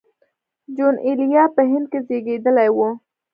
جون ایلیا په هند کې زېږېدلی و